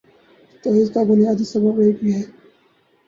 تو اس کا بنیادی سبب ایک ہی ہے۔